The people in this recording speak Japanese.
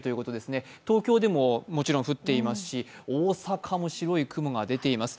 もちろん東京でも降っていますし、大阪も白い雲が出ています。